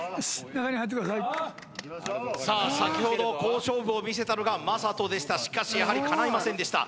中に入ってくださいさあ先ほど好勝負を見せたのが魔裟斗でしたしかしやはりかないませんでした